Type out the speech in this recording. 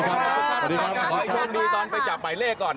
ขอให้ชมดีตอนไปจับใหม่เลขก่อน